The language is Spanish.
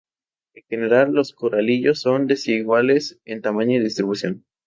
En general, los coralitos son desiguales en tamaño y distribución.